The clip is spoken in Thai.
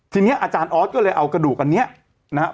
ทีนี้อาจารย์ออสก็เลยเอากระดูกอันนี้นะครับ